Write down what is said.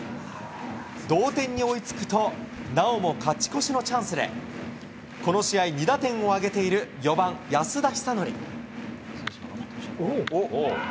同点に追いつくと、なおも勝ち越しのチャンスで、この試合、２打点を挙げている４番安田尚憲。